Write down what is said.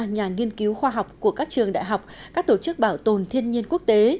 nhà nghiên cứu khoa học của các trường đại học các tổ chức bảo tồn thiên nhiên quốc tế